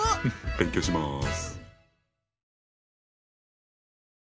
勉強します！